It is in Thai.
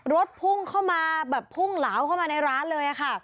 รถพุ่งเข้ามาแบบพุ่งเหลาเข้ามาในร้านเลยค่ะ